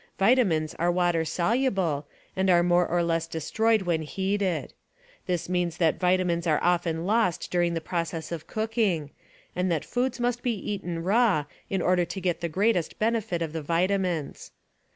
Vitamins are water soluble, and are more or less destroyed when heated. This means that vitamins are often lost during the process of cooking, and that foods must be eaten raw in order to get the greatest benefit of the vitamins.